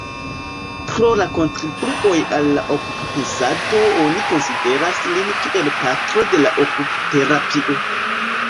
Pro la kontribuoj al la okup-pensado oni konsideras lin kiel patro de la okup-terapio.